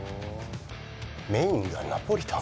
メインがナポリタン？